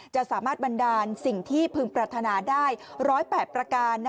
จะสามารถบันดาลสิ่งที่พึงปรารถนาได้๑๐๘ประการ